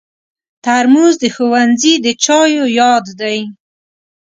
ترموز د ښوونځي د چایو یاد دی.